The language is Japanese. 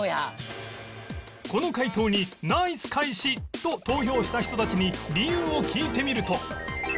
この回答にナイス返しと投票した人たちに理由を聞いてみると